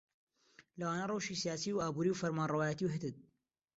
لەوانە ڕەوشی سیاسی و ئابووری و فەرمانڕەوایەتی و هتد